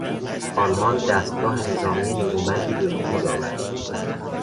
آلمان دستگاه نظامی نیرومندی به وجود آورد.